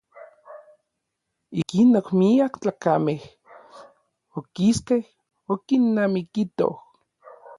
Ikinon miak tlakamej okiskej okinamikitoj.